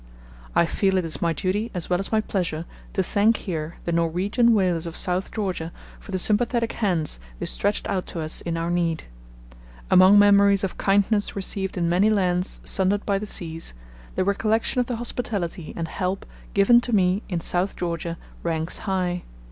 I feel it is my duty as well as my pleasure to thank here the Norwegian whalers of South Georgia for the sympathetic hands they stretched out to us in our need. Among memories of kindness received in many lands sundered by the seas, the recollection of the hospitality and help given to me in South Georgia ranks high.